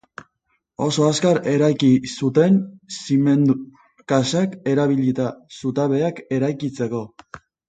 Oso azkar eraiki zuten, zimendu-kaxak erabilita zutabeak eraikitzeko.